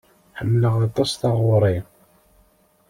Ḥemmleɣ aṭas taɣuri.